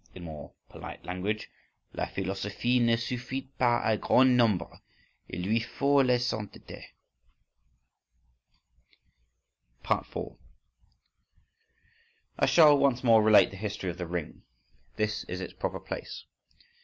… In more polite language: La philosophie ne suffit pas au grand nombre. Il lui faut la sainteté.… 4. I shall once more relate the history of the "Ring". This is its proper place.